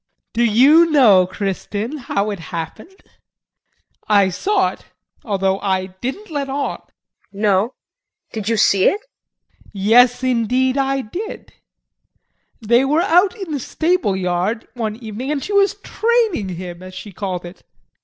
Do you know, Kristin, how it happened? I saw it, although I didn't let on. KRISTIN. No did you see it? JEAN. Yes, indeed, I did. They were out in the stable yard one evening and she was "training" him as she called it.